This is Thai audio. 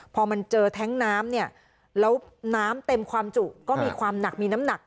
พอมันเจอแท้งน้ำเนี่ยแล้วน้ำเต็มความจุก็มีความหนักมีน้ำหนัก